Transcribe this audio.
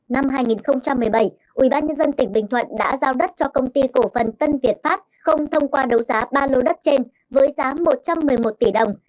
năm hai nghìn một mươi bảy ubnd tỉnh bình thuận đã giao đất cho công ty cổ phần tân việt pháp không thông qua đấu giá ba lô đất trên với giá một trăm một mươi một tỷ đồng